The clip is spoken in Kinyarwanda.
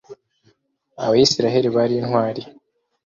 Abisirayeli bari intwari